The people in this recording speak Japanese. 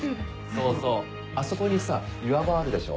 そうそうあそこにさ岩場あるでしょ？